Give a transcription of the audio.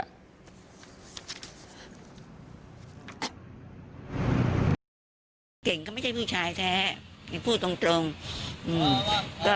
เก่งก็ไม่ใช่ผู้ชายแท้